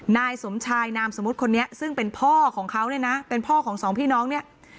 นายสมชายนามสมมุติคนนี้ซึ่งเป็นพ่อของเขาเนี่ยนะเป็นพ่อของสองพี่น้องเนี่ย